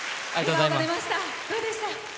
どうでした？